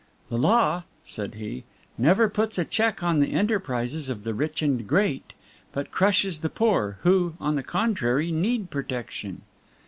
"The law," said he, "never puts a check on the enterprises of the rich and great, but crushes the poor, who, on the contrary, need protection."